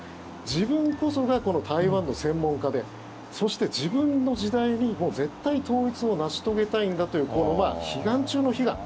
自分こそが台湾の専門家でそして、自分の時代に絶対、統一を成し遂げたいんだという悲願中の悲願。